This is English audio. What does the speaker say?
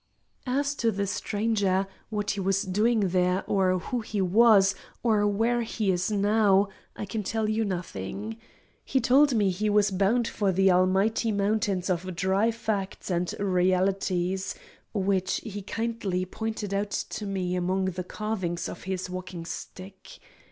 As to the Stranger, what he was doing there, or who he was, or where he is now, I can tell you nothing. He told me he was bound for "the almighty mountains of Dry facts and Realities," which he kindly pointed out to me among the carvings of his walking stick.